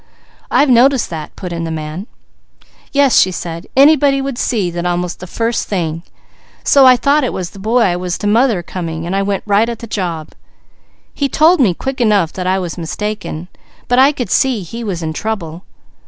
"I've noticed that," put in the man. "Yes," she said, "anybody would see that almost the first thing. So I thought he was the boy I was to mother coming, and I went right at the job. He told me quick enough that I was mistaken, but I could see he was in trouble.